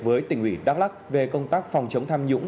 với tỉnh ủy đắk lắc về công tác phòng chống tham nhũng